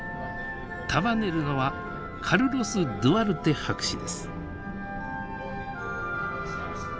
束ねるのはカルロス・ドゥアルテ博士です。